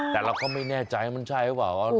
แต่เราก็ไม่แน่ใจมันใช่หรือเปล่า